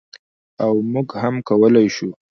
او موږ هم کولی شو.